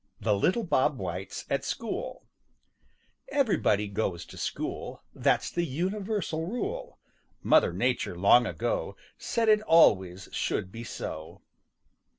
THE LITTLE BOB WHITES AT SCHOOL `````Everybody goes to school; `````That's the universal rule. `````Mother Nature long ago `````Said it always should be so.